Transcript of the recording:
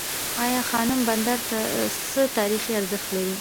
ای خانم بندر څه تاریخي ارزښت لري؟